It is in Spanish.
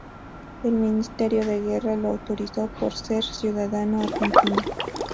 El Ministerio de Guerra lo autorizó por ser ciudadano argentino.